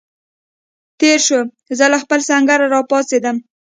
تېر شو، زه له خپل سنګره را پاڅېدم.